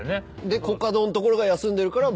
でコカドのところが休んでるから。